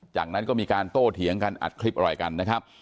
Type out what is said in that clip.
จากนั้นก็มีการโต้เถียงกันอัดคลิปอะไรกันนะครับ